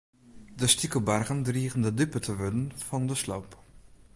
De stikelbargen drigen de dupe te wurden fan de sloop.